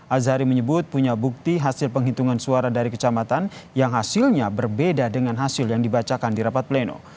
azari menyebut punya bukti hasil penghitungan suara dari kecamatan yang hasilnya berbeda dengan hasil yang dibacakan di rapat pleno